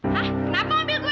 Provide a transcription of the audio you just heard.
hah kenapa mobil gue